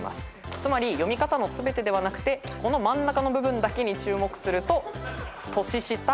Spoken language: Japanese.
つまり読み方の全てではなくてこの真ん中の部分だけに注目すると「としした」